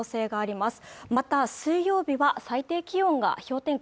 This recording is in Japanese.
また水曜日は最低気温が氷点下